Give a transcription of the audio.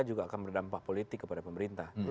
juga akan berdampak politik kepada pemerintah